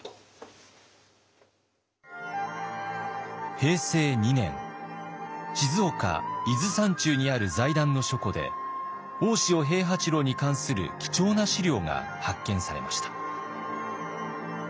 平成２年静岡・伊豆山中にある財団の書庫で大塩平八郎に関する貴重な資料が発見されました。